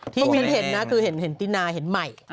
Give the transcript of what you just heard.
ที่ฉันเห็นนะคือเห็นตินาเห็นใหม่